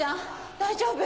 大丈夫？